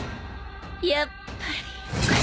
やっぱり。